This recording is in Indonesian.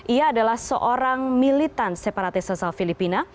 ia adalah seorang militan separatis asal filipina